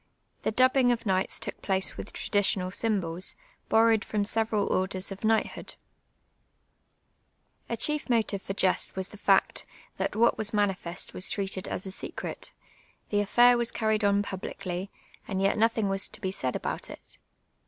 The dubhinjj^ of knights took place with traditional symbols, bonowed from several orders of kni; rhtli()0(l. A chief motive for jest was the fact, that what was manifest was treated as a secret ; the affair was carried on publicly, and yet nothinfjj was to be said about it.